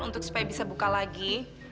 untuk supaya bisa buka lagi